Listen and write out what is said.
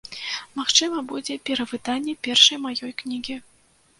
Магчыма, будзе перавыданне першай маёй кнігі.